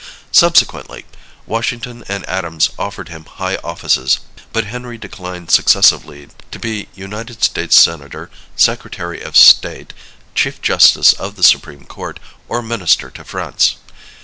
Subsequently Washington and Adams offered him high offices, but Henry declined successively to be United States Senator, Secretary of State, Chief Justice of the Supreme Court, or minister to France.